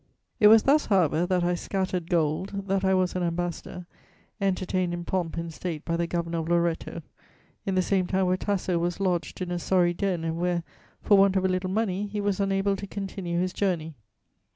] "It was thus, however, that I 'scattered gold,' that I was an ambassador, entertained in pomp and state by the Governor of Loretto, in the same town where Tasso was lodged in a sorry den and where, for want of a little money, he was unable to continue his journey.